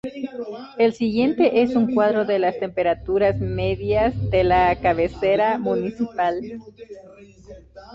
El siguiente es un cuadro de las temperaturas medias de la cabecera municipal.